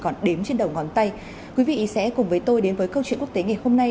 còn đếm trên đầu ngón tay quý vị sẽ cùng với tôi đến với câu chuyện quốc tế ngày hôm nay